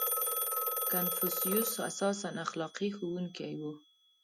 • کنفوسیوس اساساً اخلاقي ښوونکی و.